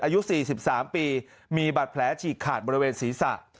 อายุ๔๓ปีมีบาดแผลฉีกขาดบริเวณศีรษะ